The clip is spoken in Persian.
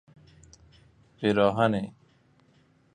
پیراهنی